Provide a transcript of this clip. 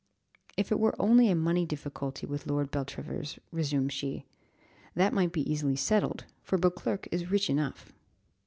"If it were only a money difficulty with Lord Beltravers," resumed she, "that might be easily settled, for Beauclerc is rich enough."